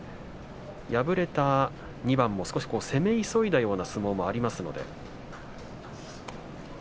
敗れた２番も、攻め急いだような相撲もありました。